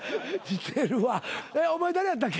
お前誰やったっけ？